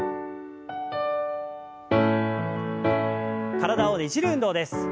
体をねじる運動です。